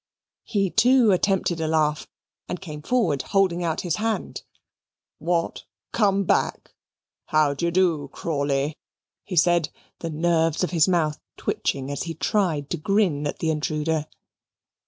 He, too, attempted a laugh and came forward holding out his hand. "What, come back! How d'ye do, Crawley?" he said, the nerves of his mouth twitching as he tried to grin at the intruder.